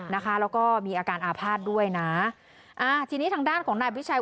นะคะแล้วก็มีอาการอาภาษณ์ด้วยนะอ่าทีนี้ทางด้านของนายวิชัย